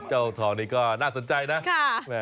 ทองนี้ก็น่าสนใจนะ